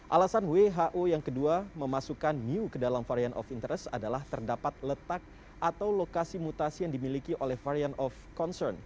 alasan who yang kedua memasukkan new ke dalam varian of interest adalah terdapat letak atau lokasi mutasi yang dimiliki oleh varian of concern